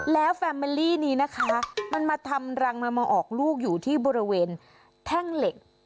แล้วแฟมเมอรี่นี้นะคะมันมาทำรังมันมาออกลูกอยู่ที่บริเวณแท่งเหล็ก